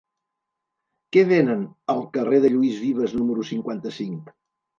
Què venen al carrer de Lluís Vives número cinquanta-cinc?